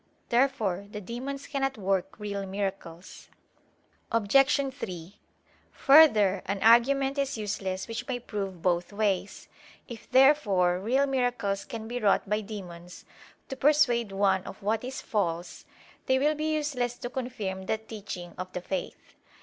Therefore the demons cannot work real miracles. Obj. 3: Further, an argument is useless which may prove both ways. If therefore real miracles can be wrought by demons, to persuade one of what is false, they will be useless to confirm the teaching of the faith.